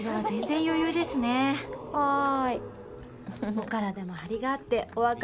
お体も張りがあってお若いわ。